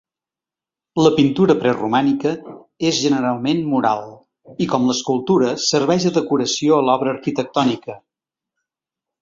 La pintura preromànica és generalment mural i, com l'escultura, serveix de decoració a l'obra arquitectònica.